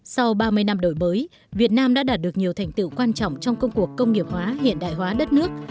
sau ba mươi năm đổi mới việt nam đã đạt được nhiều thành tựu quan trọng trong công cuộc công nghiệp hóa hiện đại hóa đất nước